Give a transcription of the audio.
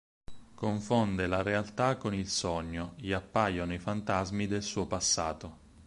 Confonde la realtà con il sogno, gli appaiono i fantasmi del suo passato.